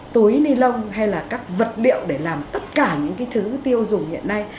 túi ni lông hay là các vật liệu để làm tất cả những cái thứ tiêu dùng hiện nay